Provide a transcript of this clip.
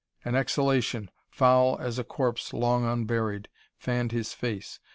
An exhalation, foul as a corpse long unburied, fanned his face.